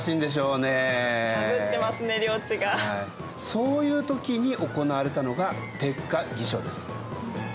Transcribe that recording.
そういう時に行われたのが鉄火起請です。